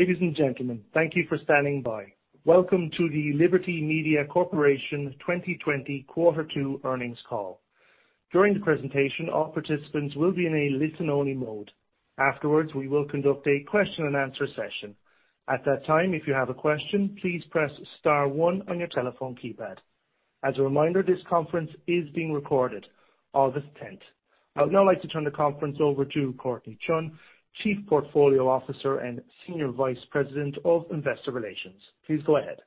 Ladies and gentlemen, thank you for standing by. Welcome to the Liberty Media Corporation 2020 quarter two earnings call. During the presentation, all participants will be in a listen-only mode. Afterwards, we will conduct a question-and-answer session. At that time, if you have a question, please press star one on your telephone keypad. As a reminder, this conference is being recorded August 10th. I would now like to turn the conference over to Courtnee Chun, Chief Portfolio Officer and Senior Vice President of Investor Relations. Please go ahead.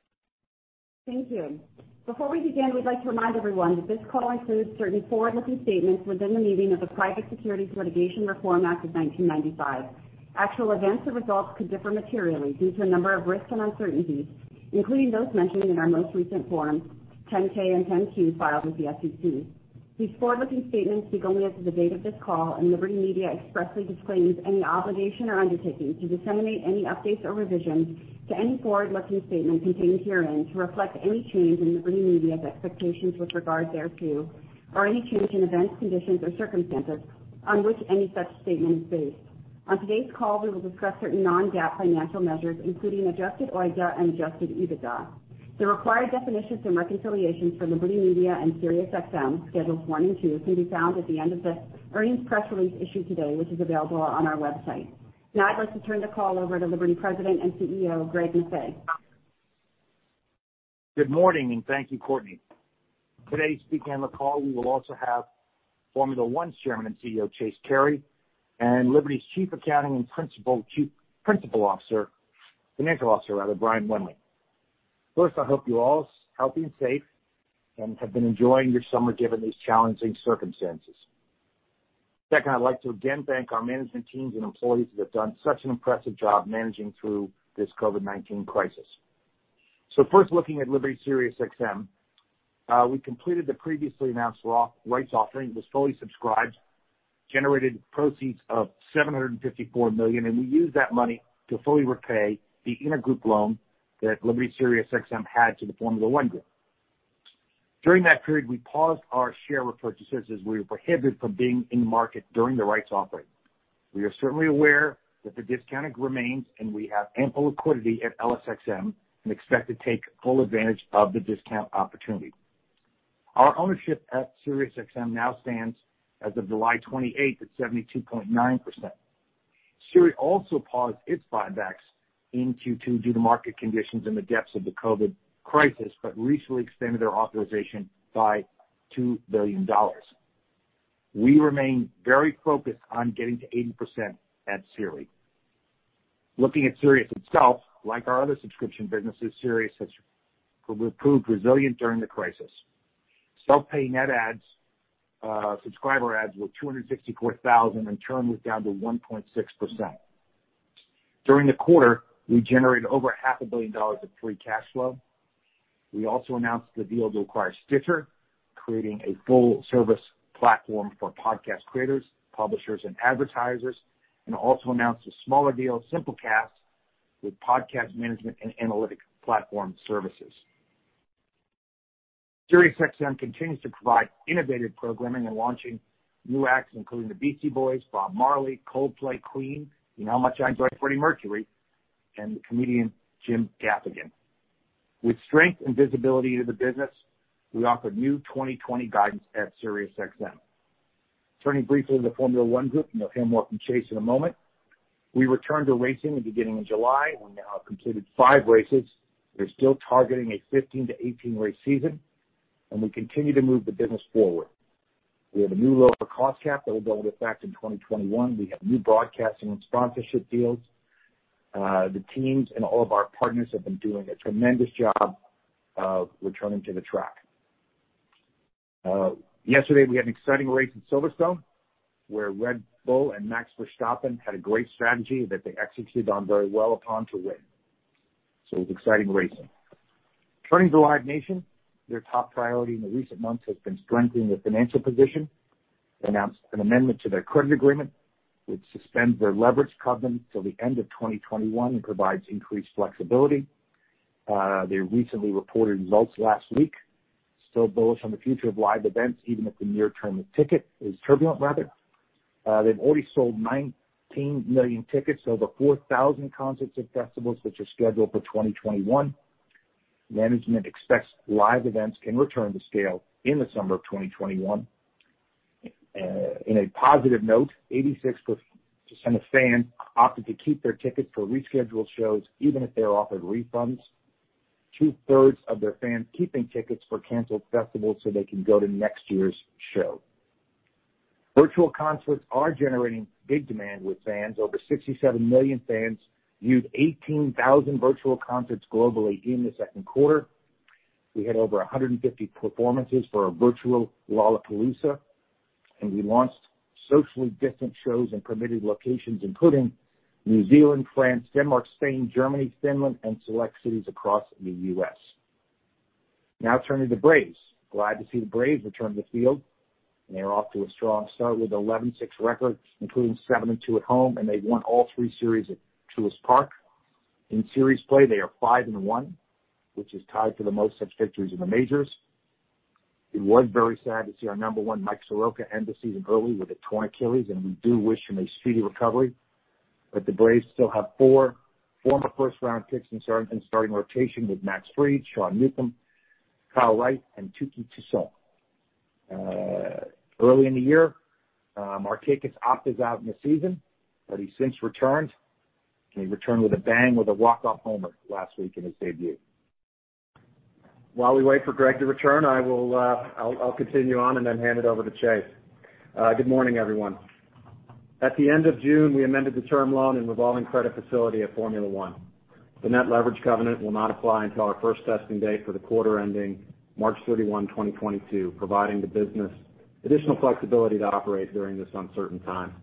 Thank you. Before we begin, we'd like to remind everyone that this call includes certain forward-looking statements within the meaning of the Private Securities Litigation Reform Act of 1995. Actual events or results could differ materially due to a number of risks and uncertainties, including those mentioned in our most recent forms, 10-K and 10-Q filed with the SEC. These forward-looking statements speak only as of the date of this call. Liberty Media expressly disclaims any obligation or undertaking to disseminate any updates or revisions to any forward-looking statement contained herein to reflect any change in Liberty Media's expectations with regard thereto, or any change in events, conditions, or circumstances on which any such statement is based. On today's call, we will discuss certain non-GAAP financial measures, including adjusted OIBDA and adjusted EBITDA. The required definitions and reconciliations for Liberty Media and SiriusXM, schedules one and two, can be found at the end of the earnings press release issued today, which is available on our website. I'd like to turn the call over to Liberty President and CEO, Greg Maffei. Good morning, and thank you, Courtnee. Today, speaking on the call, we will also have Formula One Chairman and CEO, Chase Carey, and Liberty's Chief Accounting Officer and Principal Financial Officer, Brian Wendling. First, I hope you all are healthy and safe and have been enjoying your summer given these challenging circumstances. Second, I'd like to again thank our management teams and employees that have done such an impressive job managing through this COVID-19 crisis. First, looking at Liberty SiriusXM, we completed the previously announced rights offering. It was fully subscribed, generated proceeds of $754 million, and we used that money to fully repay the intergroup loan that Liberty SiriusXM had to the Formula One Group. During that period, we paused our share repurchases as we were prohibited from being in the market during the rights offering. We are certainly aware that the discounting remains, and we have ample liquidity at LSXM and expect to take full advantage of the discount opportunity. Our ownership at SiriusXM now stands as of July 28th at 72.9%. Siri also paused its buybacks in Q2 due to market conditions and the depths of the COVID crisis, but recently extended their authorization by $2 billion. We remain very focused on getting to 80% at Siri. Looking at Sirius itself, like our other subscription businesses, Sirius has proved resilient during the crisis. Self-pay net adds, subscriber adds, were 264,000 and churn was down to 1.6%. During the quarter, we generated over half a billion dollars of free cash flow. We also announced the deal to acquire Stitcher, creating a full-service platform for podcast creators, publishers, and advertisers, and also announced a smaller deal, Simplecast, with podcast management and analytic platform services. SiriusXM continues to provide innovative programming and launching new acts, including the Beastie Boys, Bob Marley, Coldplay, Queen. You know how much I enjoy Freddie Mercury, and the comedian Jim Gaffigan. With strength and visibility to the business, we offer new 2020 guidance at SiriusXM. Turning briefly to the Formula One Group, you'll hear more from Chase in a moment. We returned to racing at the beginning of July. We now have completed five races. We're still targeting a 15-18 race season, we continue to move the business forward. We have a new lower cost cap that will go into effect in 2021. We have new broadcasting and sponsorship deals. The teams and all of our partners have been doing a tremendous job of returning to the track. Yesterday we had an exciting race at Silverstone, where Red Bull and Max Verstappen had a great strategy that they executed on very well upon to win. It was exciting racing. Turning to Live Nation, their top priority in the recent months has been strengthening their financial position. They announced an amendment to their credit agreement, which suspends their leverage covenant till the end of 2021 and provides increased flexibility. They recently reported results last week, still bullish on the future of live events, even if the near term of ticket is turbulent rather. They've already sold 19 million tickets over 4,000 concerts and festivals that are scheduled for 2021. Management expects live events can return to scale in the summer of 2021. In a positive note, 86% of fans opted to keep their tickets for rescheduled shows even if they were offered refunds. Two-thirds of their fans keeping tickets for canceled festivals so they can go to next year's show. Virtual concerts are generating big demand with fans. Over 67 million fans viewed 18,000 virtual concerts globally in the second quarter. We had over 150 performances for our virtual Lollapalooza, and we launched socially distant shows in permitted locations, including New Zealand, France, Denmark, Spain, Germany, Finland, and select cities across the U.S. Now turning to Braves. Glad to see the Braves return to the field, and they're off to a strong start with an 11-6 record, including 7-2 at home, and they've won all three series at Truist Park. In series play, they are five and one, which is tied for the most such victories in the majors. It was very sad to see our number one, Mike Soroka, end the season early with a torn Achilles, and we do wish him a speedy recovery. The Braves still have four former first-round picks in starting rotation with Max Fried, Sean Newcomb, Kyle Wright, and Touki Toussaint. Early in the year, Markakis opted out in the season, but he since returned, and he returned with a bang with a walk-off homer last week in his debut. While we wait for Greg to return, I'll continue on and then hand it over to Chase. Good morning, everyone. At the end of June, we amended the term loan and revolving credit facility at Formula One. The net leverage covenant will not apply until our first testing date for the quarter ending March 31, 2022, providing the business additional flexibility to operate during this uncertain time.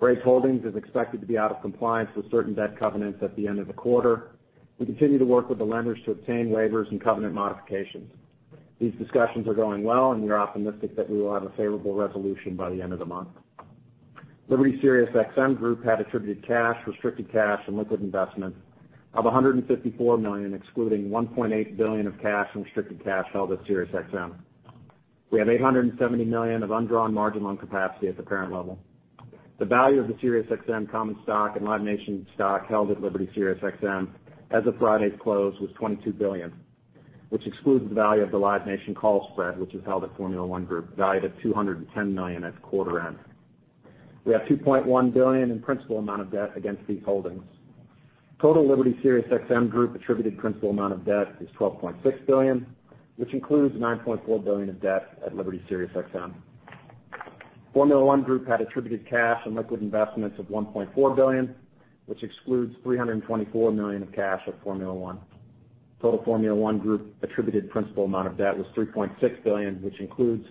Braves Holdings is expected to be out of compliance with certain debt covenants at the end of the quarter. We continue to work with the lenders to obtain waivers and covenant modifications. These discussions are going well, and we are optimistic that we will have a favorable resolution by the end of the month. Liberty SiriusXM Group had attributed cash, restricted cash, and liquid investments of $154 million, excluding $1.8 billion of cash and restricted cash held at SiriusXM. We have $870 million of undrawn margin loan capacity at the parent level. The value of the SiriusXM common stock and Live Nation stock held at Liberty SiriusXM as of Friday's close was $22 billion, which excludes the value of the Live Nation call spread, which is held at Formula One Group, valued at $210 million at quarter end. We have $2.1 billion in principal amount of debt against these holdings. Total Liberty SiriusXM Group attributed principal amount of debt is $12.6 billion, which includes $9.4 billion of debt at Liberty SiriusXM. Formula One Group had attributed cash and liquid investments of $1.4 billion, which excludes $324 million of cash at Formula One. Total Formula One Group attributed principal amount of debt was $3.6 billion, which includes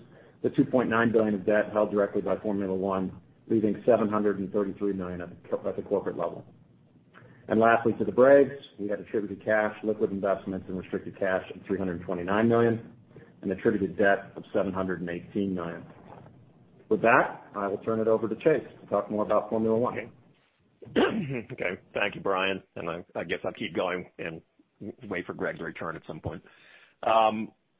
the $2.9 billion of debt held directly by Formula One, leaving $733 million at the corporate level. Lastly, to the Braves, we had attributed cash, liquid investments, and restricted cash of $329 million and attributed debt of $718 million. With that, I will turn it over to Chase to talk more about Formula One. Okay. Thank you, Brian. I guess I'll keep going and wait for Greg's return at some point.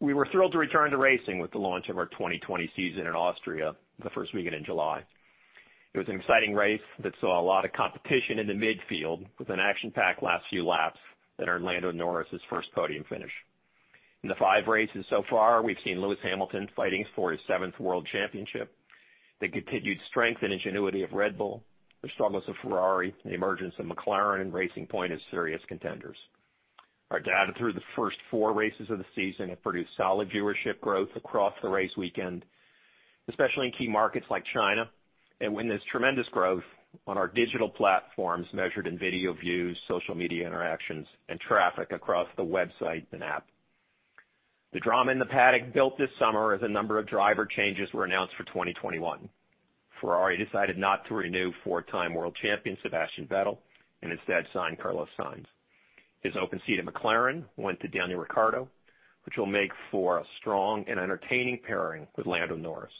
We were thrilled to return to racing with the launch of our 2020 season in Austria the first weekend in July. It was an exciting race that saw a lot of competition in the midfield with an action-packed last few laps that earned Lando Norris his first podium finish. In the five races so far, we've seen Lewis Hamilton fighting for his seventh world championship. The continued strength and ingenuity of Red Bull, the struggles of Ferrari, the emergence of McLaren and Racing Point as serious contenders. Our data through the first four races of the season have produced solid viewership growth across the race weekend, especially in key markets like China. Witnessed tremendous growth on our digital platforms measured in video views, social media interactions, and traffic across the website and app. The drama in the paddock built this summer as a number of driver changes were announced for 2021. Ferrari decided not to renew four-time world champion Sebastian Vettel and instead signed Carlos Sainz. His open seat at McLaren went to Daniel Ricciardo, which will make for a strong and entertaining pairing with Lando Norris.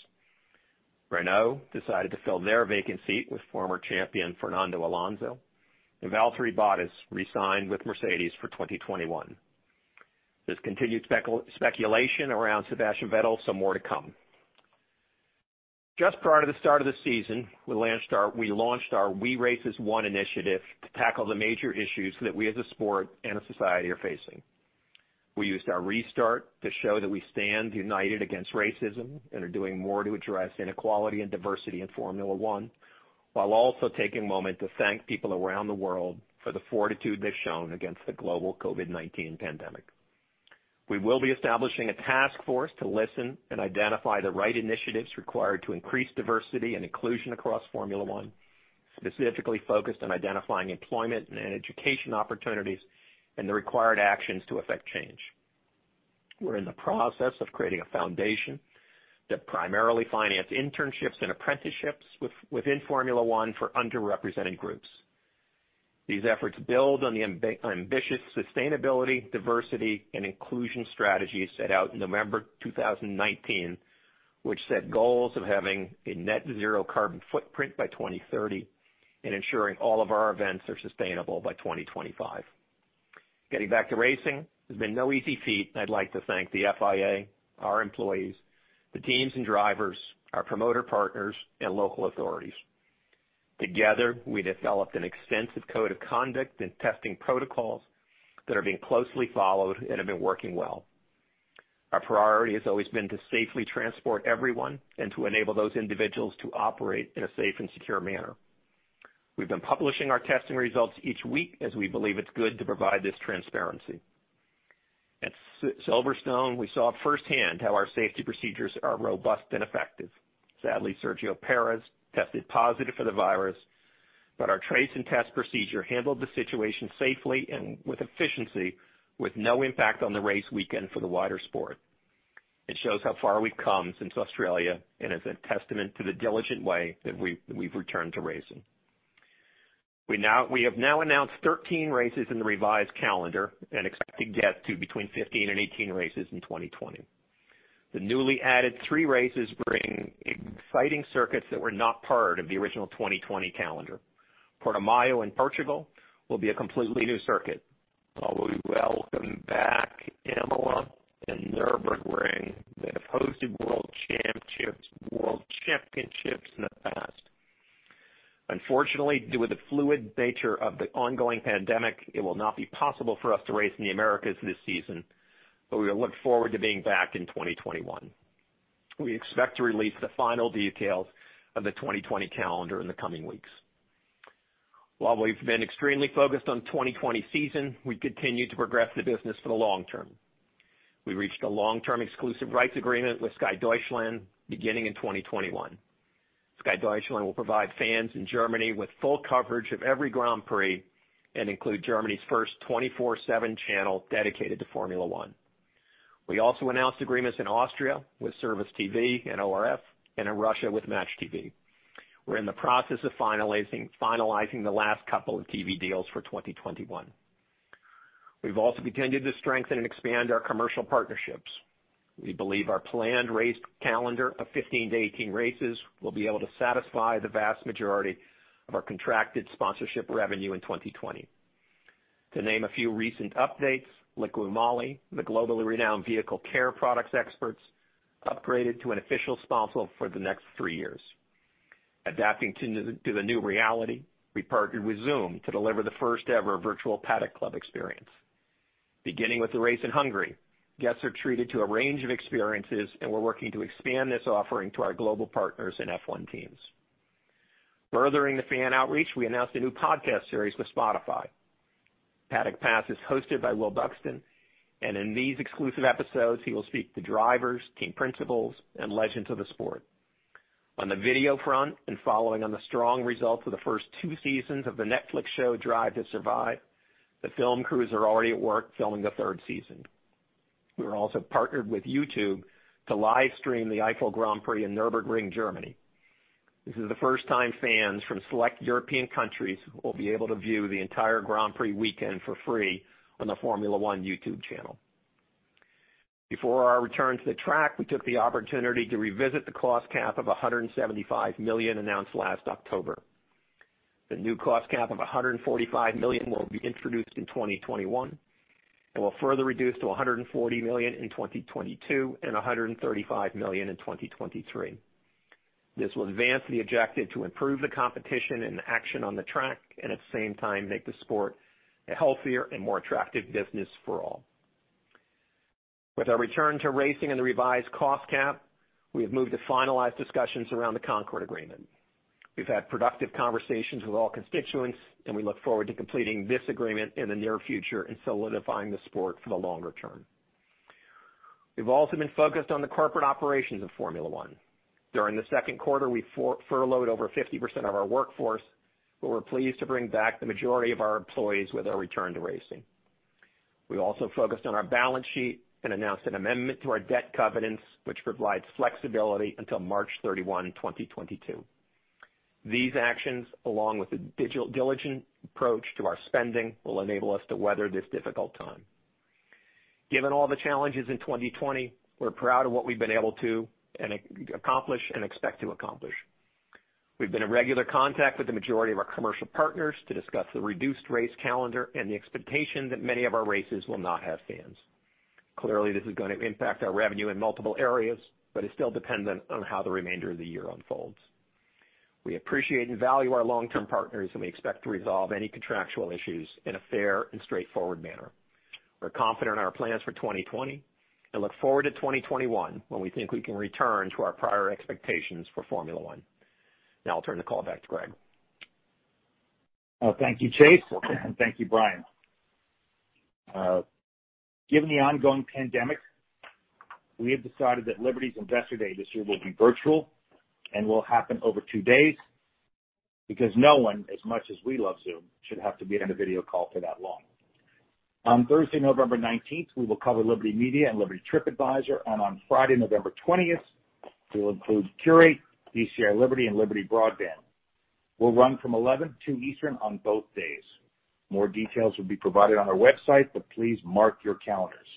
Renault decided to fill their vacant seat with former champion Fernando Alonso, and Valtteri Bottas re-signed with Mercedes for 2021. There's continued speculation around Sebastian Vettel, so more to come. Just prior to the start of the season, we launched our We Race As One initiative to tackle the major issues that we as a sport and a society are facing. We used our restart to show that we stand united against racism and are doing more to address inequality and diversity in Formula One, while also taking a moment to thank people around the world for the fortitude they've shown against the global COVID-19 pandemic. We will be establishing a task force to listen and identify the right initiatives required to increase diversity and inclusion across Formula One, specifically focused on identifying employment and education opportunities and the required actions to affect change. We're in the process of creating a foundation to primarily finance internships and apprenticeships within Formula One for underrepresented groups. These efforts build on the ambitious sustainability, diversity, and inclusion strategies set out in November 2019, which set goals of having a net zero carbon footprint by 2030 and ensuring all of our events are sustainable by 2025. Getting back to racing has been no easy feat. I'd like to thank the FIA, our employees, the teams and drivers, our promoter partners, and local authorities. Together, we developed an extensive code of conduct and testing protocols that are being closely followed and have been working well. Our priority has always been to safely transport everyone and to enable those individuals to operate in a safe and secure manner. We've been publishing our testing results each week as we believe it's good to provide this transparency. At Silverstone, we saw firsthand how our safety procedures are robust and effective. Sadly, Sergio Pérez tested positive for the virus, but our trace and test procedure handled the situation safely and with efficiency, with no impact on the race weekend for the wider sport. It shows how far we've come since Australia and is a testament to the diligent way that we've returned to racing. We have now announced 13 races in the revised calendar and expect to get to between 15 and 18 races in 2020. The newly added three races bring exciting circuits that were not part of the original 2020 calendar. Portimão in Portugal will be a completely new circuit. While we welcome back Imola and Nürburgring that have hosted world championships in the past. Unfortunately, due to the fluid nature of the ongoing pandemic, it will not be possible for us to race in the Americas this season, but we look forward to being back in 2021. We expect to release the final details of the 2020 calendar in the coming weeks. While we've been extremely focused on 2020 season, we continue to progress the business for the long-term. We reached a long-term exclusive rights agreement with Sky Deutschland beginning in 2021. Sky Deutschland will provide fans in Germany with full coverage of every Grand Prix and include Germany's first 24/7 channel dedicated to Formula One. We also announced agreements in Austria with ServusTV and ORF, and in Russia with Match TV. We're in the process of finalizing the last couple of TV deals for 2021. We've also continued to strengthen and expand our commercial partnerships. We believe our planned race calendar of 15-18 races will be able to satisfy the vast majority of our contracted sponsorship revenue in 2020. To name a few recent updates, Liqui Moly, the globally renowned vehicle care products experts, upgraded to an official sponsor for the next three years. Adapting to the new reality, we partnered with Zoom to deliver the first-ever virtual Paddock Club experience. Beginning with the race in Hungary, guests are treated to a range of experiences, we're working to expand this offering to our global partners and F1 teams. Furthering the fan outreach, we announced a new podcast series with Spotify. Paddock Pass is hosted by Will Buxton, in these exclusive episodes, he will speak to drivers, team principals, and legends of the sport. On the video front, following on the strong results of the first two seasons of the Netflix show, Drive to Survive, the film crews are already at work filming the third season. We are also partnered with YouTube to live stream the Eifel Grand Prix in Nürburgring, Germany. This is the first time fans from select European countries will be able to view the entire Grand Prix weekend for free on the Formula One YouTube channel. Before our return to the track, we took the opportunity to revisit the cost cap of $175 million announced last October. The new cost cap of $145 million will be introduced in 2021, will further reduce to $140 million in 2022 and $135 million in 2023. This will advance the objective to improve the competition and action on the track, at the same time, make the sport a healthier and more attractive business for all. With our return to racing and the revised cost cap, we have moved to finalized discussions around the Concorde Agreement. We've had productive conversations with all constituents, we look forward to completing this agreement in the near future and solidifying the sport for the longer-term. We've also been focused on the corporate operations of Formula One. During the second quarter, we furloughed over 50% of our workforce, but we're pleased to bring back the majority of our employees with our return to racing. We also focused on our balance sheet and announced an amendment to our debt covenants, which provides flexibility until March 31, 2022. These actions, along with the diligent approach to our spending, will enable us to weather this difficult time. Given all the challenges in 2020, we're proud of what we've been able to accomplish and expect to accomplish. We've been in regular contact with the majority of our commercial partners to discuss the reduced race calendar and the expectation that many of our races will not have fans. Clearly, this is going to impact our revenue in multiple areas, but is still dependent on how the remainder of the year unfolds. We appreciate and value our long-term partners, and we expect to resolve any contractual issues in a fair and straightforward manner. We're confident in our plans for 2020 and look forward to 2021, when we think we can return to our prior expectations for Formula One. Now I'll turn the call back to Greg. Thank you, Chase. Thank you, Brian. Given the ongoing pandemic, we have decided that Liberty's Investor Day this year will be virtual and will happen over two days because no one, as much as we love Zoom, should have to be on a video call for that long. On Thursday, November 19th, we will cover Liberty Media and Liberty TripAdvisor. On Friday, November 20th, we will include Qurate, GCI Liberty, and Liberty Broadband. We'll run from 11:00 A.M. to 2:00 P.M. Eastern on both days. More details will be provided on our website, but please mark your calendars.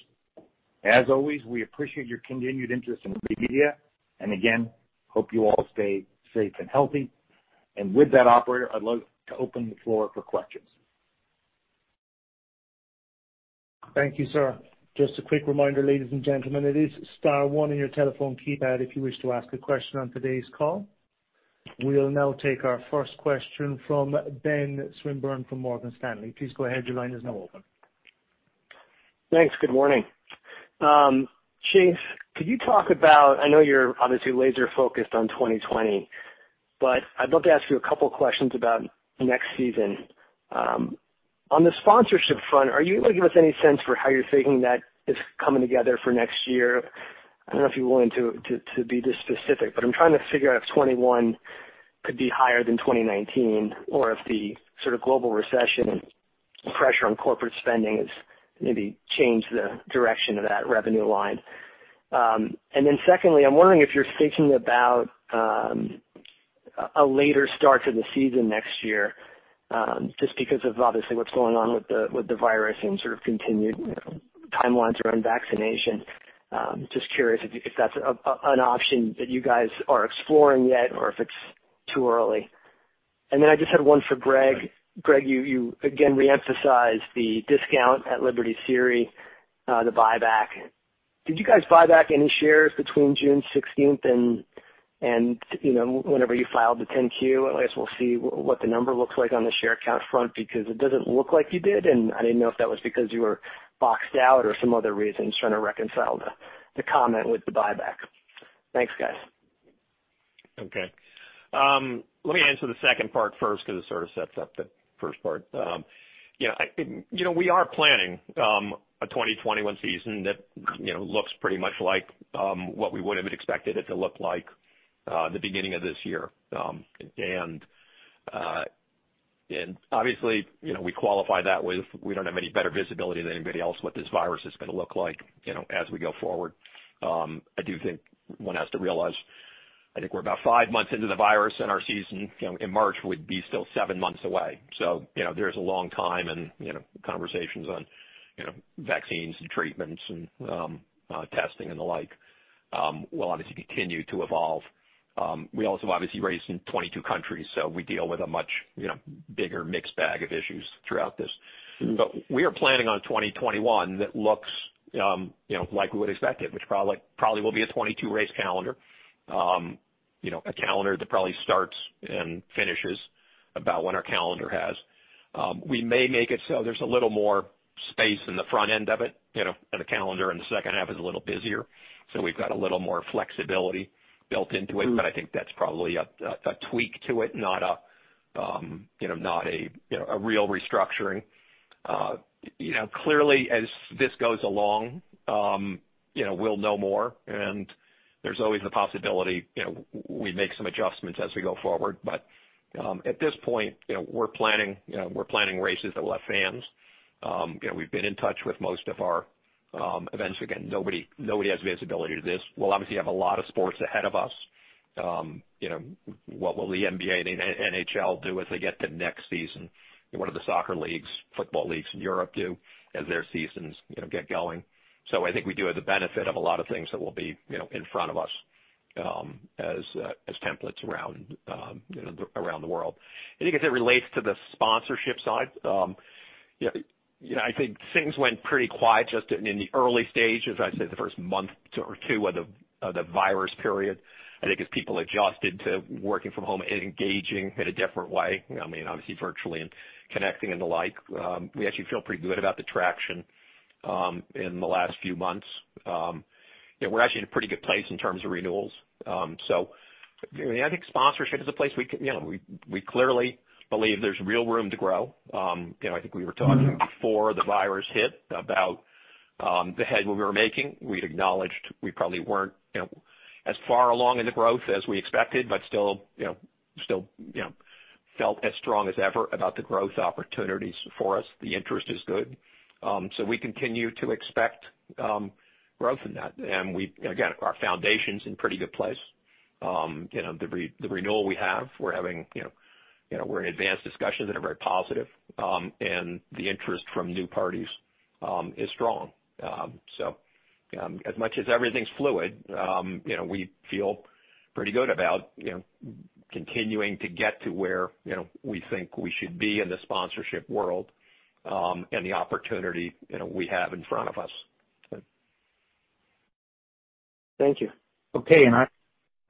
As always, we appreciate your continued interest in Liberty Media, and again, hope you all stay safe and healthy. With that, operator, I'd love to open the floor for questions. Thank you, sir. Just a quick reminder, ladies and gentlemen, it is star one on your telephone keypad if you wish to ask a question on today's call. We will now take our first question from Ben Swinburne from Morgan Stanley. Please go ahead. Your line is now open. Thanks. Good morning. Chase, could you talk about, I know you're obviously laser focused on 2020, but I'd love to ask you a couple questions about next season. On the sponsorship front, are you able to give us any sense for how you're thinking that is coming together for next year? I don't know if you're willing to be this specific, but I'm trying to figure out if 2021 could be higher than 2019 or if the sort of global recession pressure on corporate spending has maybe changed the direction of that revenue line. Secondly, I'm wondering if you're thinking about a later start to the season next year, just because of obviously what's going on with the virus and sort of continued timelines around vaccination. I'm just curious if that's an option that you guys are exploring yet, or if it's too early. I just had one for Greg. Greg, you again re-emphasized the discount at Liberty SiriusXM, the buyback. Did you guys buy back any shares between June 16th and whenever you filed the 10-Q? I guess we'll see what the number looks like on the share count front, because it doesn't look like you did, and I didn't know if that was because you were boxed out or some other reason. Just trying to reconcile the comment with the buyback. Thanks, guys. Okay. Let me answer the second part first because it sort of sets up the first part. We are planning a 2021 season that looks pretty much like what we would have expected it to look like the beginning of this year. Obviously, we qualify that with, we don't have any better visibility than anybody else what this virus is going to look like as we go forward. I do think one has to realize, I think we're about five months into the virus, and our season in March would be still seven months away. There's a long time, and conversations on vaccines and treatments and testing and the like will obviously continue to evolve. We also obviously race in 22 countries, we deal with a much bigger mixed bag of issues throughout this. We are planning on 2021 that looks like we would expect it, which probably will be a 22-race calendar. A calendar that probably starts and finishes about when our calendar has. We may make it so there's a little more space in the front end of it, of the calendar, and the second half is a little busier, so we've got a little more flexibility built into it. I think that's probably a tweak to it, not a real restructuring. Clearly, as this goes along we'll know more, and there's always the possibility we make some adjustments as we go forward. At this point, we're planning races that will have fans. We've been in touch with most of our events. Again, nobody has visibility to this. We'll obviously have a lot of sports ahead of us. What will the NBA and NHL do as they get to next season? What do the soccer leagues, football leagues in Europe do as their seasons get going? I think we do have the benefit of a lot of things that will be in front of us as templates around the world. I guess it relates to the sponsorship side. I think things went pretty quiet just in the early stages, I'd say the first month or two of the virus period, I think as people adjusted to working from home and engaging in a different way, obviously virtually and connecting and the like. We actually feel pretty good about the traction in the last few months. We're actually in a pretty good place in terms of renewals. I think sponsorship is a place we clearly believe there's real room to grow. I think we were talking before the virus hit about the headway we were making. We acknowledged we probably weren't as far along in the growth as we expected, but still felt as strong as ever about the growth opportunities for us. The interest is good. We continue to expect growth in that. Again, our foundation's in a pretty good place. The renewal we have, we're in advanced discussions that are very positive. The interest from new parties is strong. As much as everything's fluid, we feel pretty good about continuing to get to where we think we should be in the sponsorship world, and the opportunity we have in front of us. Thank you. Okay,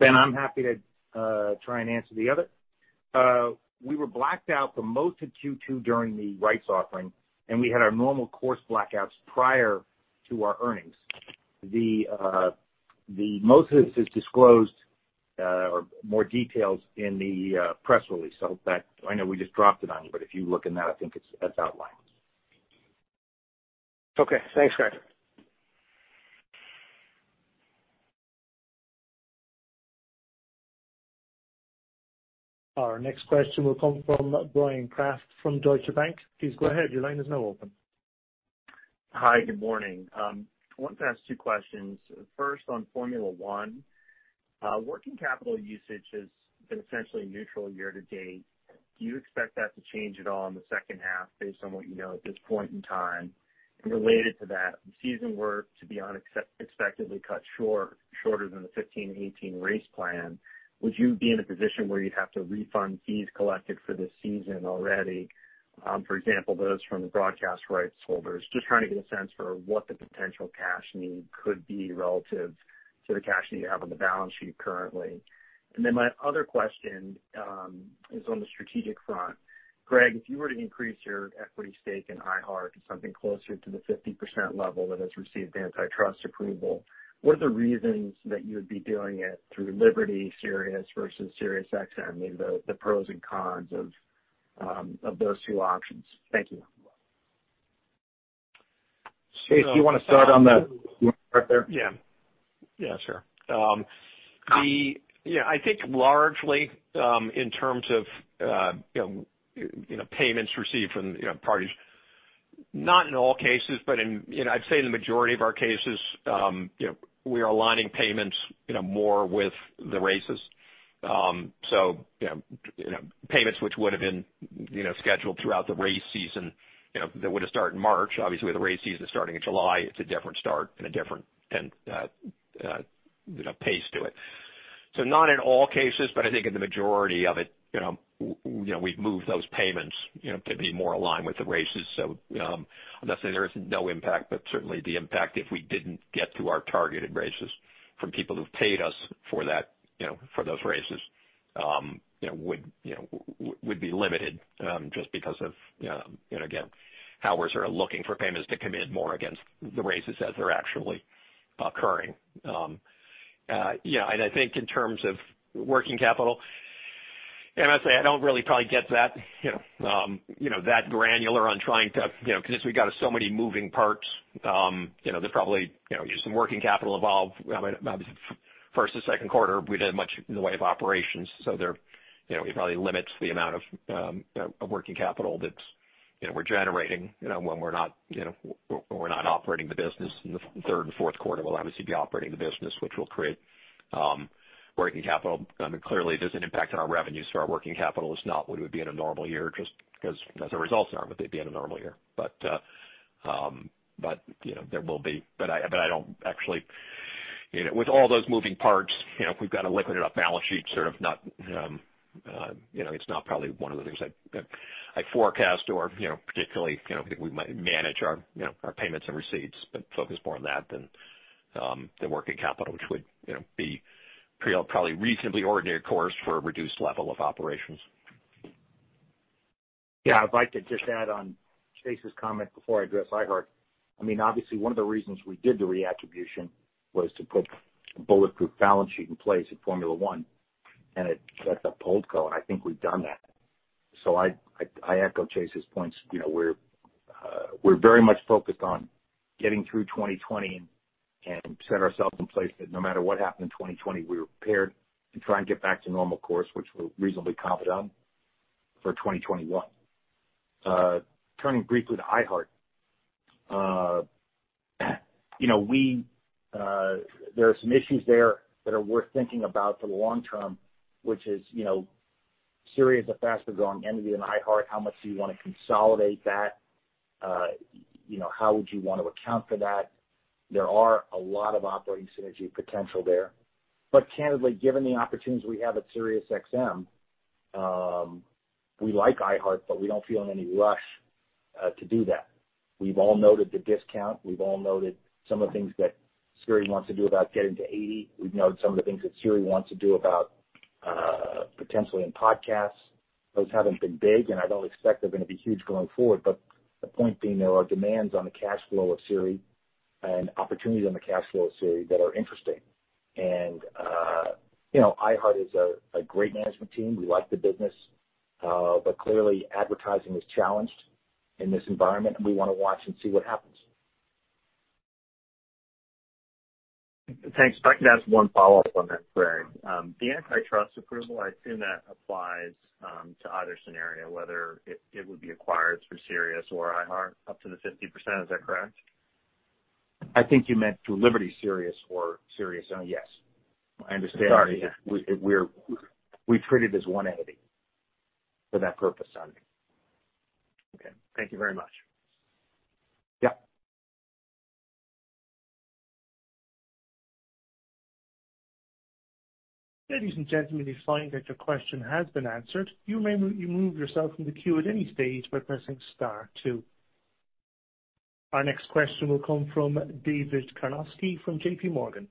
Ben, I'm happy to try and answer the other. We were blacked out for most of Q2 during the rights offering, we had our normal course blackouts prior to our earnings. The most of this is disclosed or more details in the press release. I know we just dropped it on you, if you look in that, I think it's outlined. Okay, thanks guys. Our next question will come from Bryan Kraft from Deutsche Bank. Please go ahead. Your line is now open. Hi, good morning. I wanted to ask two questions. First, on Formula One. Working capital usage has been essentially neutral year-to-date. Do you expect that to change at all in the second half based on what you know at this point in time? Related to that, if the season were to be unexpectedly cut shorter than the 15 and 18 race plan, would you be in a position where you'd have to refund fees collected for this season already? For example, those from the broadcast rights holders. Just trying to get a sense for what the potential cash need could be relative to the cash need you have on the balance sheet currently. Then my other question is on the strategic front. Greg, if you were to increase your equity stake in iHeart to something closer to the 50% level that has received antitrust approval, what are the reasons that you would be doing it through Liberty Sirius versus SiriusXM? Maybe the pros and cons of those two options. Thank you. Chase, do you want to start there? Yeah. Sure. I think largely, in terms of payments received from parties, not in all cases, but I'd say in the majority of our cases, we are aligning payments more with the races. Payments which would've been scheduled throughout the race season that would've started in March, obviously with the race season starting in July, it's a different start and a different pace to it. Not in all cases, but I think in the majority of it, we've moved those payments to be more aligned with the races. I'm not saying there is no impact, but certainly the impact, if we didn't get to our targeted races from people who've paid us for those races would be limited, just because of, again, how we're sort of looking for payments to come in more against the races as they're actually occurring. Yeah. I think in terms of working capital, I must say, I don't really probably get that granular. Because we've got so many moving parts, there's probably some working capital involved. Obviously, first to second quarter, we did much in the way of operations. It probably limits the amount of working capital that we're generating when we're not operating the business in the third and fourth quarter. We'll obviously be operating the business, which will create working capital. I mean, clearly there's an impact on our revenues. Our working capital is not what it would be in a normal year, just because as our results are, what they'd be in a normal year. I don't actually With all those moving parts, we've got a liquid enough balance sheet, it's not probably one of the things I forecast or particularly, I think we might manage our payments and receipts. Focus more on that than the working capital, which would be probably reasonably ordinary course for a reduced level of operations. Yeah. I'd like to just add on Chase's comment before I address iHeart. Obviously, one of the reasons we did the reattribution was to put a bulletproof balance sheet in place at Formula One and at the holdco. I think we've done that. I echo Chase's points. We're very much focused on getting through 2020 and set ourselves in place that no matter what happened in 2020, we were prepared to try and get back to normal course, which we're reasonably confident for 2021. Turning briefly to iHeart. There are some issues there that are worth thinking about for the long-term, which is, Sirius, a fast-growing entity than iHeart. How much do you want to consolidate that? How would you want to account for that? There are a lot of operating synergy potential there. Candidly, given the opportunities we have at SiriusXM, we like iHeart, but we don't feel in any rush to do that. We've all noted the discount. We've all noted some of the things that Sirius wants to do about getting to 80. We've noted some of the things that Sirius wants to do about potentially in podcasts. Those haven't been big, and I don't expect they're going to be huge going forward. The point being, there are demands on the cash flow of Siri and opportunities on the cash flow of Siri that are interesting. iHeart is a great management team. We like the business. Clearly advertising is challenged in this environment, and we want to watch and see what happens. Thanks. If I could ask one follow-up on that, Greg, the antitrust approval, I assume that applies to either scenario, whether it would be acquired through Sirius or iHeart up to the 50%, is that correct? I think you meant through Liberty Sirius or Sirius. Yes. I understand. Sorry, yes. we treat it as one entity for that purpose. Okay. Thank you very much. Yeah. Our next question will come from David Karnovsky from JPMorgan.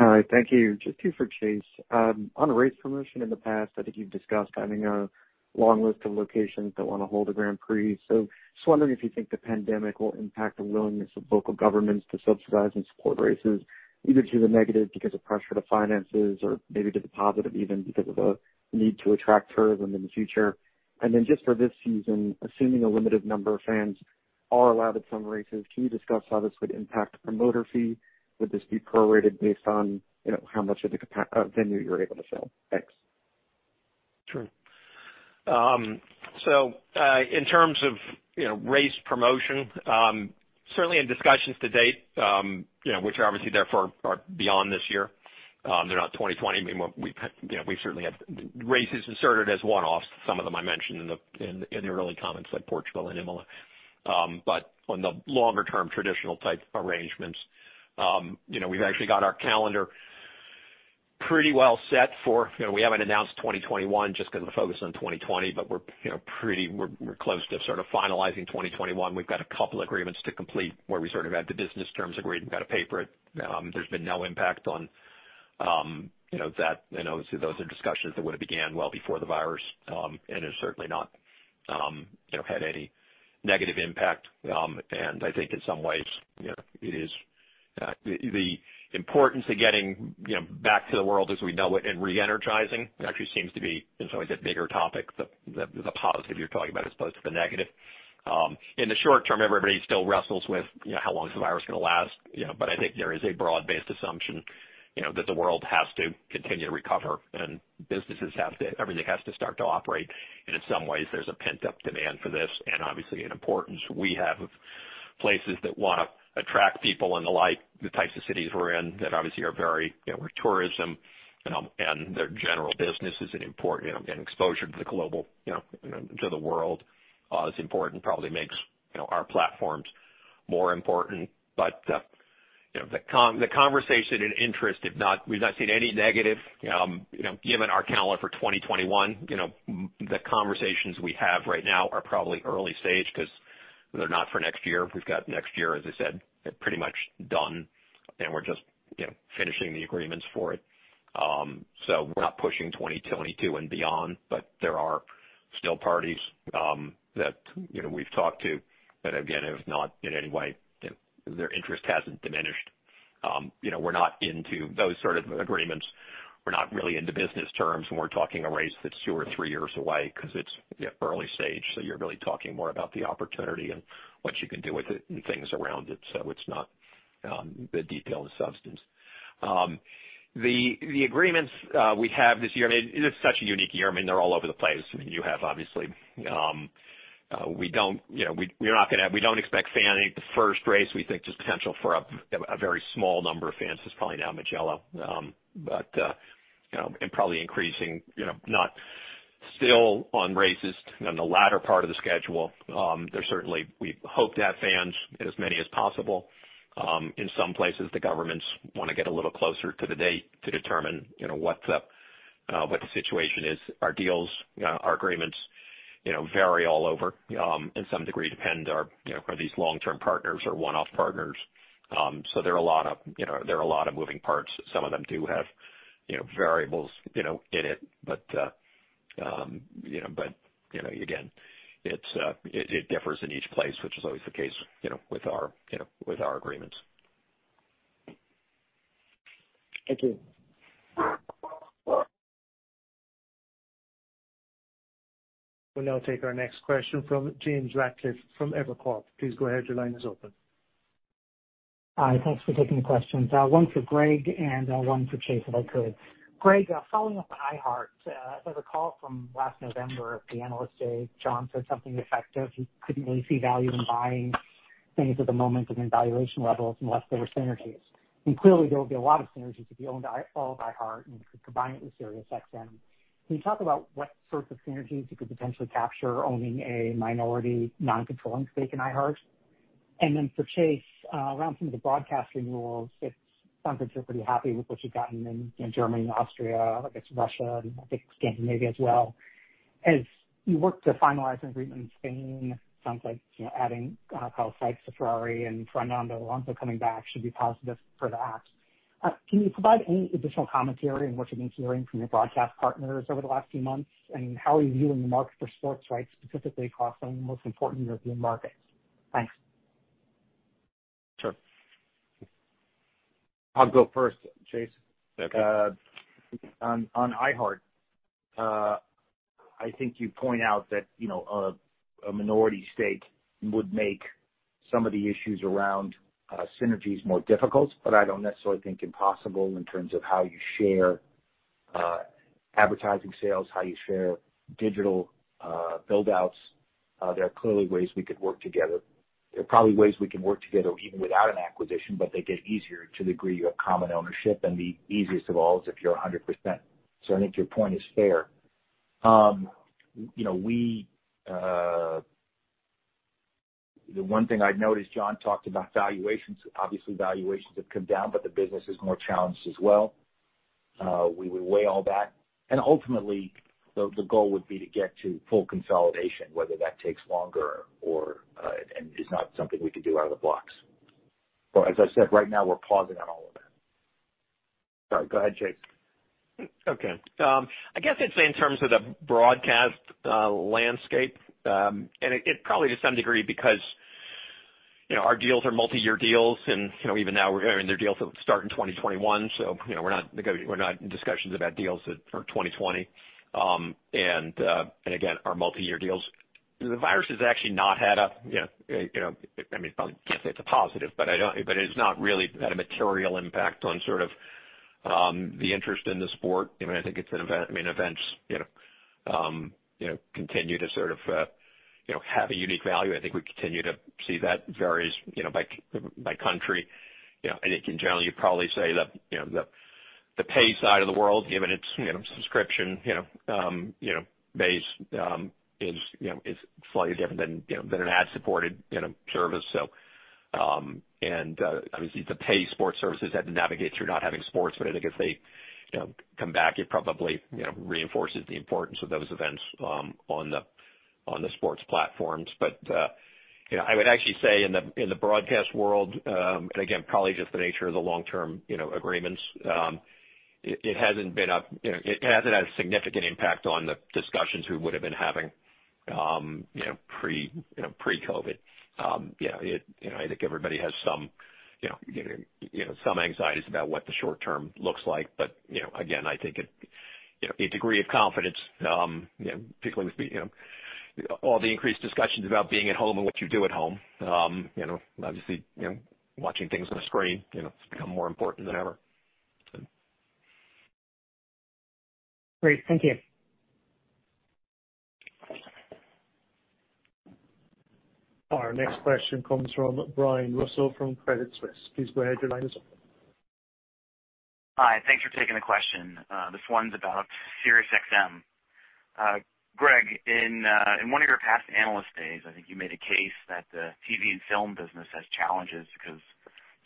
All right. Thank you. Just two for Chase. On race promotion in the past, I think you've discussed having a long list of locations that want to hold a Grand Prix. Just wondering if you think the pandemic will impact the willingness of local governments to subsidize and support races, either to the negative because of pressure to finances or maybe to the positive even because of a need to attract tourism in the future. Then just for this season, assuming a limited number of fans are allowed at some races, can you discuss how this would impact the promoter fee? Would this be prorated based on how much of the venue you're able to fill? Thanks. Sure. In terms of race promotion, certainly in discussions to date, which are obviously therefore beyond this year. They're not 2020. We've certainly had races inserted as one-offs. Some of them I mentioned in the early comments, like Portugal and Imola. On the longer-term traditional type arrangements, we've actually got our calendar pretty well set. We haven't announced 2021 just because of the focus on 2020, but we're close to sort of finalizing 2021. We've got a couple agreements to complete where we sort of have the business terms agreed. We've got to paper it. There's been no impact on that. Obviously, those are discussions that would've began well before the virus, and has certainly not had any negative impact. I think in some ways, the importance of getting back to the world as we know it and re-energizing actually seems to be in some ways a bigger topic, the positive you're talking about as opposed to the negative. In the short-term, everybody still wrestles with how long is the virus going to last. I think there is a broad-based assumption that the world has to continue to recover and everything has to start to operate. In some ways, there's a pent-up demand for this and obviously an importance we have of places that want to attract people and the like, the types of cities we're in that obviously are very Where tourism and their general businesses and exposure to the world is important probably makes our platforms more important. The conversation and interest, we've not seen any negative given our calendar for 2021. The conversations we have right now are probably early stage because they're not for next year. We've got next year, as I said, pretty much done, and we're just finishing the agreements for it. We're not pushing 2022 and beyond, but there are still parties that we've talked to that, again, have not in any way Their interest hasn't diminished. We're not into those sort of agreements. We're not really into business terms when we're talking a race that's two or three years away because it's early stage, so you're really talking more about the opportunity and what you can do with it and things around it. It's not the detailed substance. The agreements we have this year, it is such a unique year. They're all over the place. You have, obviously We don't expect fans at the first race. We think there's potential for a very small number of fans. It's probably now Mugello. Probably increasing, not still on races on the latter part of the schedule. We hope to have fans, as many as possible. In some places, the governments want to get a little closer to the date to determine what the situation is. Our deals, our agreements vary all over and to some degree depend are these long-term partners or one-off partners? There are a lot of moving parts. Some of them do have variables in it. Again, it differs in each place, which is always the case with our agreements. Thank you. We'll now take our next question from James Ratcliffe from Evercore. Please go ahead, your line is open. Hi, thanks for taking the questions. One for Greg and one for Chase, if I could. Greg, following up on iHeart, as I recall from last November at the Analyst Day, John said something to the effect of he couldn't really see value in buying things at the moment given valuation levels unless there were synergies. Clearly, there would be a lot of synergies if you owned all of iHeart and could combine it with SiriusXM. Can you talk about what sorts of synergies you could potentially capture owning a minority non-controlling stake in iHeart? Then for Chase, around some of the broadcast renewals, it sounds like you're pretty happy with what you've gotten in Germany and Austria, I guess Russia, and I think Scandinavia as well. As you work to finalize an agreement in Spain, sounds like adding Carlos Sainz to Ferrari and Fernando Alonso coming back should be positive for that. Can you provide any additional commentary on what you've been hearing from your broadcast partners over the last few months? How are you viewing the market for sports rights, specifically across some of the most important European markets? Thanks. Sure. I'll go first, Chase. Okay. On iHeart, I think you point out that a minority stake would make some of the issues around synergies more difficult, but I don't necessarily think impossible in terms of how you share advertising sales, how you share digital build-outs. There are clearly ways we could work together. There are probably ways we can work together even without an acquisition, but they get easier to the degree you have common ownership, and the easiest of all is if you're 100%. I think your point is fair. The one thing I'd note is John talked about valuations. Obviously, valuations have come down, but the business is more challenged as well. We would weigh all that, and ultimately, the goal would be to get to full consolidation, whether that takes longer or it's not something we could do out of the blocks. As I said, right now we're pausing on all of that. Sorry. Go ahead, Chase. Okay. I guess I'd say in terms of the broadcast landscape, and probably to some degree because our deals are multi-year deals and even now there are deals that start in 2021, so we're not in discussions about deals that are 2020. Again, are multi-year deals. The virus has actually not had a I probably can't say it's a positive, but it has not really had a material impact on the interest in the sport. I think events continue to have a unique value. I think we continue to see that varies by country. I think in general, you'd probably say the pay side of the world, given its subscription base is slightly different than an ad-supported service. Obviously, the pay sports services had to navigate through not having sports, but I think as they come back, it probably reinforces the importance of those events on the sports platforms. I would actually say in the broadcast world, and again, probably just the nature of the long-term agreements, it hasn't had a significant impact on the discussions we would've been having pre-COVID-19. I think everybody has some anxieties about what the short-term looks like. Again, I think a degree of confidence, particularly with all the increased discussions about being at home and what you do at home. Obviously, watching things on a screen it's become more important than ever. Great. Thank you. Our next question comes from Brian Russo from Credit Suisse. Please go ahead, your line is open. Hi, thanks for taking the question. This one's about SiriusXM. Greg, in one of your past analyst days, I think you made a case that the TV and film business has challenges because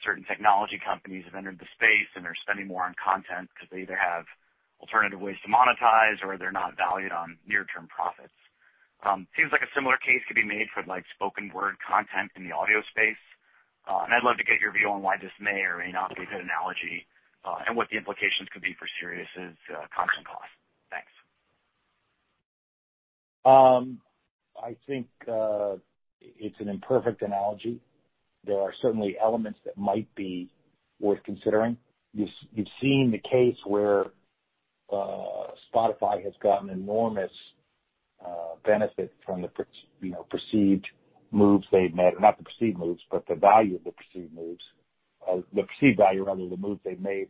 certain technology companies have entered the space, and they're spending more on content because they either have alternative ways to monetize or they're not valued on near-term profits. Seems like a similar case could be made for spoken word content in the audio space. I'd love to get your view on why this may or may not be a good analogy, and what the implications could be for Sirius's content cost. Thanks. I think it's an imperfect analogy. There are certainly elements that might be worth considering. You've seen the case where Spotify has gotten enormous benefit from the perceived moves they've made. Not the perceived moves, but the value of the perceived moves, or the perceived value, rather, the moves they've made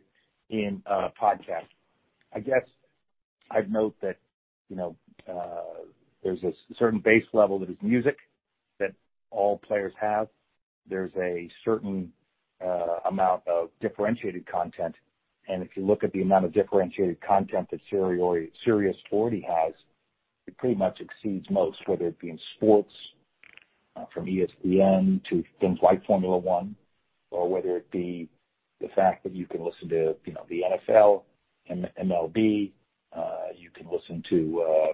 in podcasts. I guess I'd note that there's a certain base level that is music that all players have. There's a certain amount of differentiated content, and if you look at the amount of differentiated content that Sirius already has, it pretty much exceeds most, whether it be in sports from ESPN to things like Formula One Group, or whether it be the fact that you can listen to the NFL, MLB. You can listen to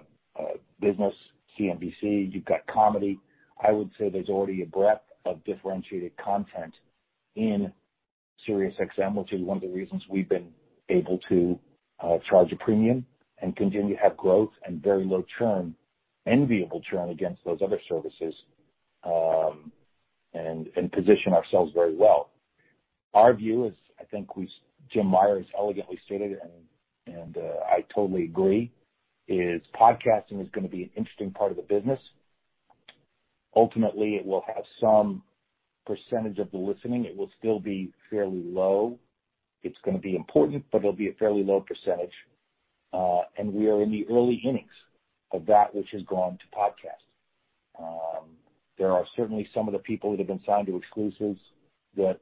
business, CNBC. You've got comedy. I would say there's already a breadth of differentiated content in SiriusXM, which is one of the reasons we've been able to charge a premium and continue to have growth and very low churn, enviable churn against those other services, and position ourselves very well. Our view is, I think Jim Meyer has elegantly stated, and I totally agree, is podcasting is going to be an interesting part of the business. It will have some percentage of the listening. It will still be fairly low. It's going to be important, but it'll be a fairly low percentage. We are in the early innings of that which has gone to podcasts. There are certainly some of the people that have been signed to exclusives that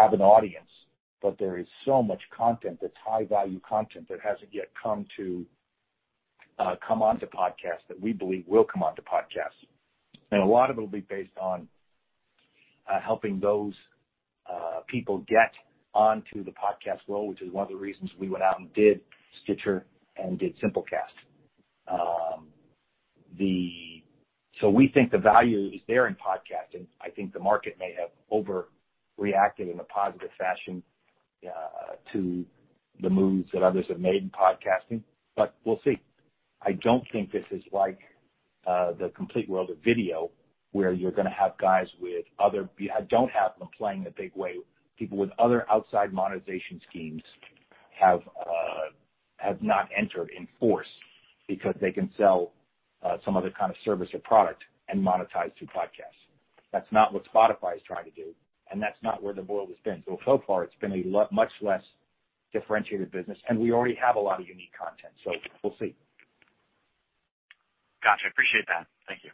have an audience, but there is so much content that's high-value content that hasn't yet come onto podcasts that we believe will come onto podcasts. A lot of it will be based on helping those people get onto the podcast world, which is one of the reasons we went out and did Stitcher and did Simplecast. We think the value is there in podcasting. I think the market may have overreacted in a positive fashion to the moves that others have made in podcasting. We'll see. I don't think this is like the complete world of video, where you're going to have guys with other I don't have them playing a big way. People with other outside monetization schemes have not entered in force because they can sell some other kind of service or product and monetize through podcasts. That's not what Spotify is trying to do, and that's not where the ball has been. So far it's been a much less differentiated business, and we already have a lot of unique content, so we'll see. Got you. Appreciate that. Thank you.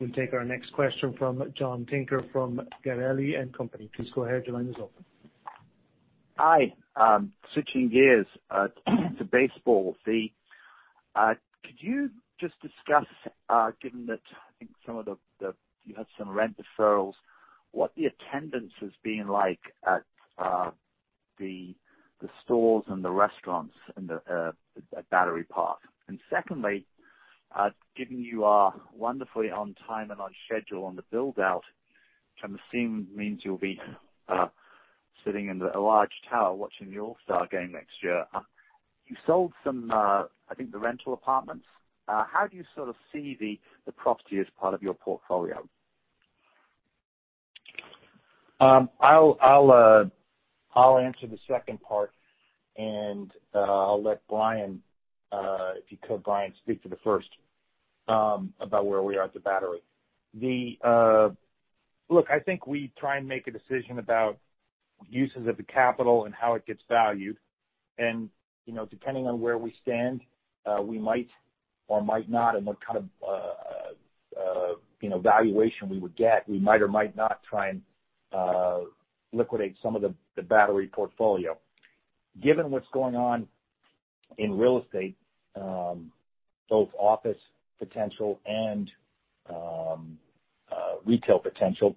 We'll take our next question from John Tinker from Gabelli & Company. Please go ahead. Your line is open. Hi. Switching gears to baseball. Could you just discuss, given that I think you had some rent deferrals, what the attendance has been like at the stores and the restaurants at The Battery Atlanta? Secondly, given you are wonderfully on time and on schedule on the build-out, which kind of seems means you'll be sitting in a large tower watching the All-Star Game next year. You sold some, I think, the rental apartments. How do you sort of see the properties part of your portfolio? I'll answer the second part, and I'll let Brian, if you could, Brian, speak to the first about where we are at The Battery. Look, I think we try and make a decision about uses of the capital and how it gets valued. Depending on where we stand, we might or might not, and what kind of valuation we would get. We might or might not try and liquidate some of The Battery portfolio. Given what's going on in real estate, both office potential and retail potential,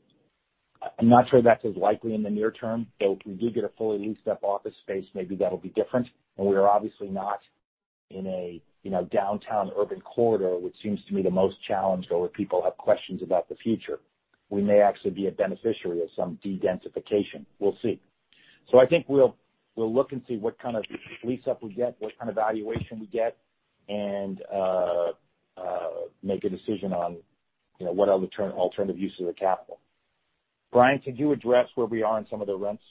I'm not sure that's as likely in the near-term, though if we do get a fully leased-up office space, maybe that'll be different. We are obviously not in a downtown urban corridor, which seems to me the most challenged or where people have questions about the future. We may actually be a beneficiary of some de-densification. We'll see. I think we'll look and see what kind of lease-up we get, what kind of valuation we get, and make a decision on what are the alternative uses of capital. Brian, could you address where we are in some of the rents?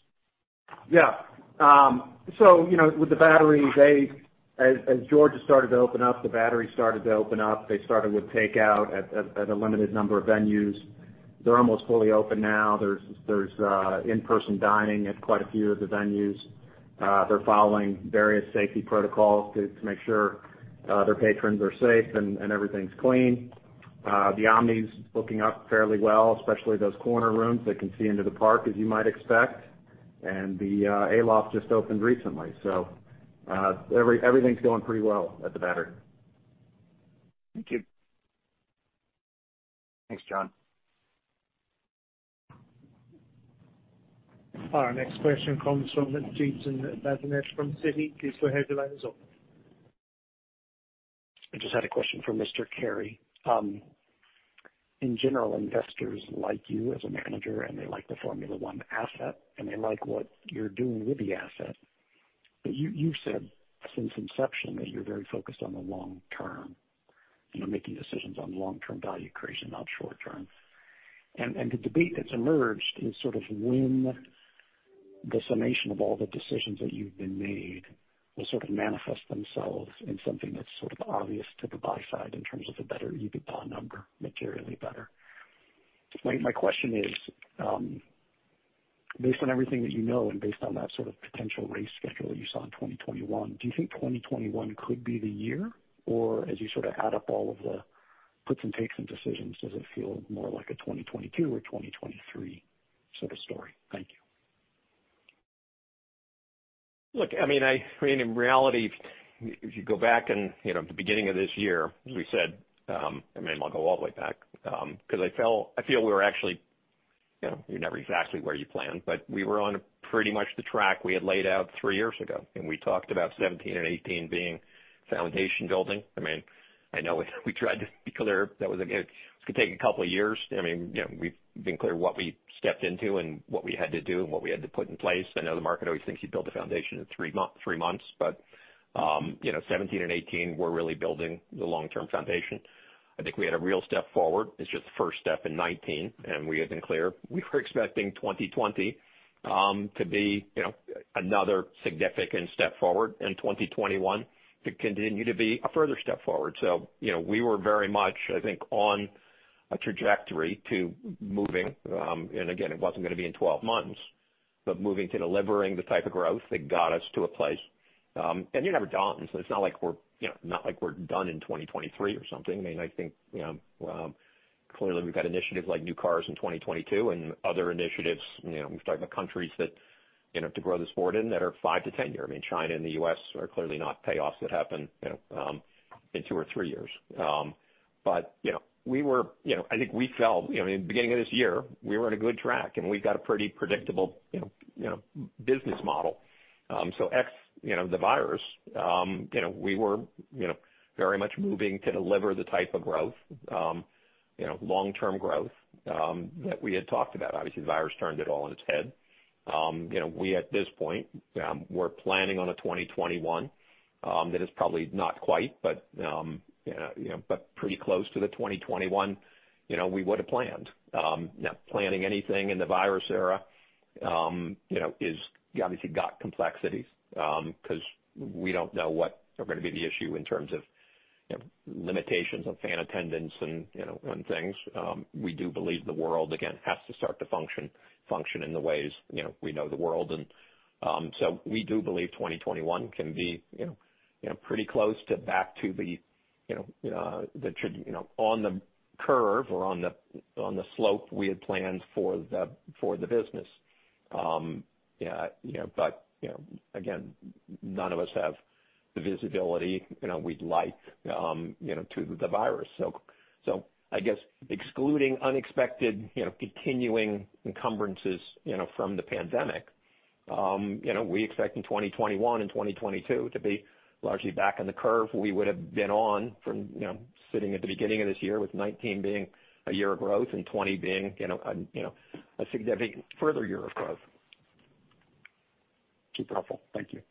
Yeah. With The Battery, as Georgia started to open up, The Battery started to open up. They started with takeout at a limited number of venues. They're almost fully open now. There's in-person dining at quite a few of the venues. They're following various safety protocols to make sure their patrons are safe and everything's clean. The Omni's looking up fairly well, especially those corner rooms that can see into the park, as you might expect. The Aloft just opened recently. Everything's going pretty well at The Battery. Thank you. Thanks, John. Our next question comes from Jason Bazinet from Citi. Please go ahead. Your line is open. I just had a question for Mr. Carey. In general, investors like you as a manager, they like the Formula One asset, and they like what you're doing with the asset. You've said since inception that you're very focused on the long-term, making decisions on long-term value creation, not short-term. The debate that's emerged is sort of when the summation of all the decisions that you've been made will sort of manifest themselves in something that's sort of obvious to the buy side in terms of a better EBITDA number, materially better. My question is, based on everything that you know and based on that sort of potential race schedule that you saw in 2021, do you think 2021 could be the year? As you sort of add up all of the puts and takes and decisions, does it feel more like a 2022 or 2023 sort of story? Thank you. Look, in reality, if you go back, at the beginning of this year, as we said. Maybe I'll go all the way back. You're never exactly where you planned, but we were on pretty much the track we had laid out three years ago. We talked about 2017 and 2018 being foundation building. I know we tried to be clear that it was going to take a couple of years. We've been clear what we stepped into and what we had to do and what we had to put in place. I know the market always thinks you build a foundation in three months. 2017 and 2018 were really building the long-term foundation. I think we had a real step forward. It's just the first step in 2019, and we have been clear, we were expecting 2020 to be another significant step forward and 2021 to continue to be a further step forward. We were very much, I think, on a trajectory to moving, and again, it wasn't going to be in 12 months, but moving to delivering the type of growth that got us to a place. You're never done, it's not like we're done in 2023 or something. I think, clearly, we've got initiatives like new cars in 2022 and other initiatives. We've talked about countries that to grow the sport in that are 5-10 years. China and the U.S. are clearly not payoffs that happen in two or three years. I think we felt, in the beginning of this year, we were on a good track, and we've got a pretty predictable business model. Ex the virus, we were very much moving to deliver the type of growth, long-term growth, that we had talked about. Obviously, the virus turned it all on its head. We, at this point, we're planning on a 2021 that is probably not quite, but pretty close to the 2021 we would have planned. Planning anything in the virus era obviously got complexities, because we don't know what are going to be the issue in terms of limitations on fan attendance and things. We do believe the world, again, has to start to function in the ways we know the world in. We do believe 2021 can be pretty close to back to on the curve or on the slope we had planned for the business. Again, none of us have the visibility we'd like to the virus. I guess excluding unexpected continuing encumbrances from the pandemic, we expect in 2021 and 2022 to be largely back on the curve we would've been on from sitting at the beginning of this year with 2019 being a year of growth and 2020 being a significant further year of growth. Very helpful. Thank you.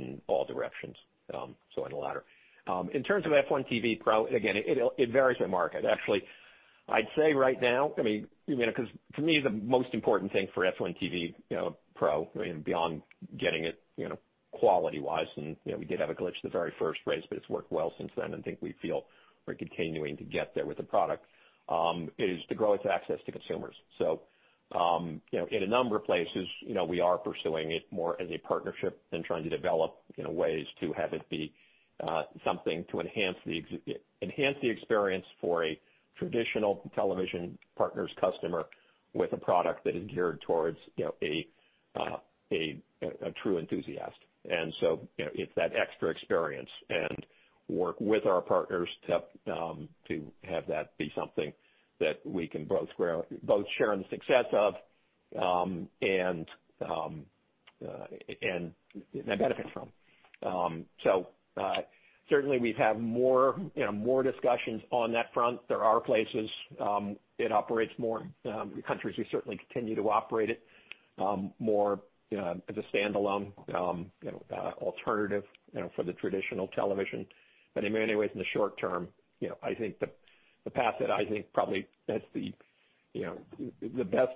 in all directions. On the latter. In terms of F1 TV Pro, again, it varies by market. Actually, I'd say right now, because for me, the most important thing for F1 TV Pro, beyond getting it quality-wise, and we did have a glitch the very first race, but it's worked well since then, and think we feel we're continuing to get there with the product, is to grow its access to consumers. In a number of places we are pursuing it more as a partnership and trying to develop ways to have it be something to enhance the experience for a traditional television partner's customer with a product that is geared towards a true enthusiast. It's that extra experience, and work with our partners to have that be something that we can both share in the success of and benefit from. Certainly we've had more discussions on that front. There are places it operates more, countries we certainly continue to operate it more as a standalone alternative for the traditional television. In many ways, in the short-term, the path that I think probably has the best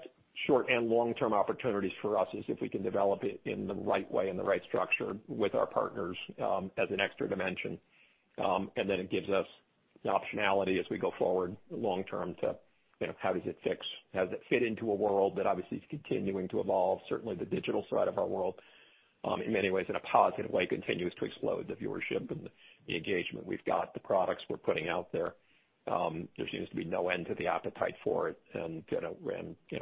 short and long-term opportunities for us is if we can develop it in the right way and the right structure with our partners as an extra dimension. Then it gives us the optionality as we go forward long-term to how does it fit into a world that obviously is continuing to evolve, certainly the digital side of our world, in many ways, in a positive way, continues to explode the viewership and the engagement. We've got the products we're putting out there. There seems to be no end to the appetite for it, and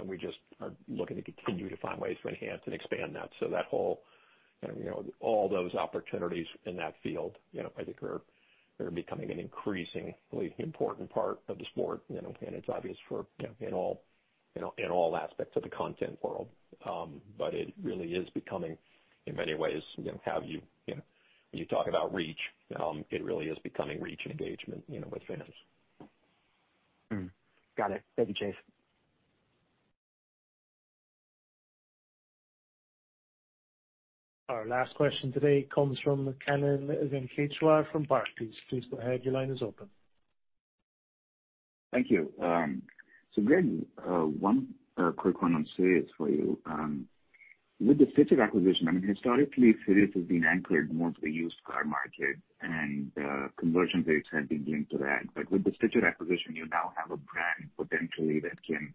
we just are looking to continue to find ways to enhance and expand that. All those opportunities in that field I think are becoming an increasingly important part of the sport, and it's obvious in all aspects of the content world. It really is becoming, in many ways, when you talk about reach, it really is becoming reach and engagement with fans. Got it. Thank you, Chase. Our last question today comes from Kannan Venkateshwar from Barclays. Please go ahead, your line is open. Thank you. Greg, one quick one on Sirius for you. With the Stitcher acquisition, I mean, historically, Sirius has been anchored more to the used car market, and conversion rates have been linked to that. With the Stitcher acquisition, you now have a brand potentially that can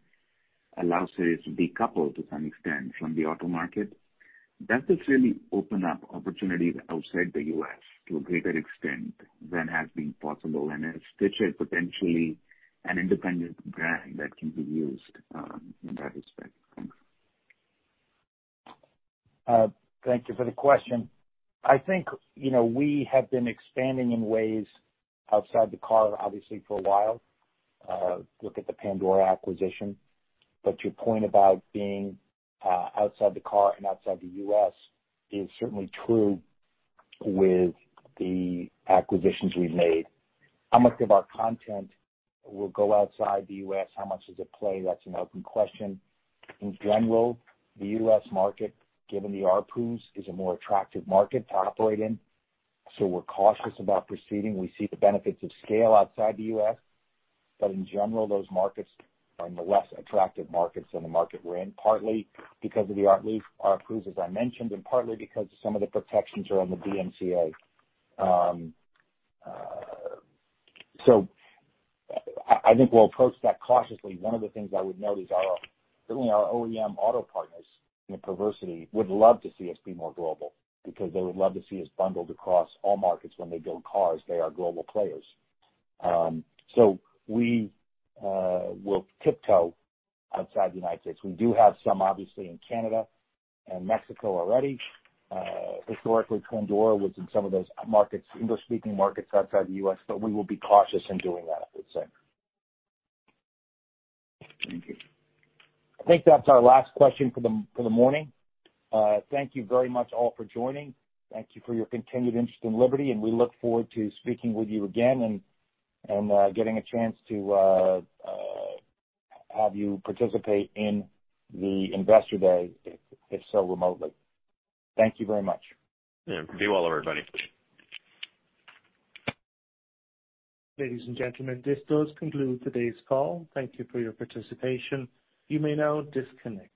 allow Sirius to decouple to some extent from the auto market. Does this really open up opportunities outside the U.S. to a greater extent than has been possible? Is Stitcher potentially an independent brand that can be used in that respect? Thanks. Thank you for the question. I think we have been expanding in ways outside the car, obviously, for a while. Look at the Pandora acquisition. Your point about being outside the car and outside the U.S. is certainly true with the acquisitions we've made. How much of our content will go outside the U.S., how much does it play? That's an open question. In general, the U.S. market, given the ARPUs, is a more attractive market to operate in. We're cautious about proceeding. We see the benefits of scale outside the U.S., but in general, those markets are in the less attractive markets than the market we're in, partly because of the ARPUs, as I mentioned, and partly because of some of the protections around the DMCA. I think we'll approach that cautiously. One of the things I would note is certainly our OEM auto partners in particular would love to see us be more global because they would love to see us bundled across all markets when they build cars. They are global players. We will tiptoe outside the United States. We do have some, obviously, in Canada and Mexico already. Historically, Pandora was in some of those English-speaking markets outside the U.S., but we will be cautious in doing that, I would say. Thank you. I think that's our last question for the morning. Thank you very much all for joining. Thank you for your continued interest in Liberty, and we look forward to speaking with you again and getting a chance to have you participate in the Investor Day, if so remotely. Thank you very much. Yeah. Be well, everybody. Ladies and gentlemen, this does conclude today's call. Thank you for your participation. You may now disconnect.